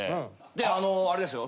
であのあれですよ